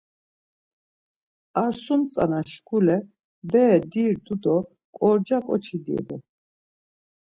Ar sum tzana şkule bere dirdu do ǩorca ǩoçi divu.